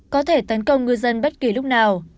có thể tấn công ngư dân bất kỳ lúc nào